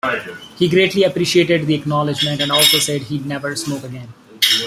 He greatly appreciated the acknowledgement, and also said he'd never smoke again.